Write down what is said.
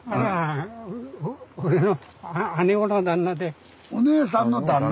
お姉さんの旦那。